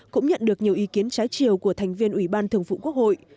cũng nhận được nhiều ý kiến trái chiều của thành viên ủy ban thường vụ quốc hội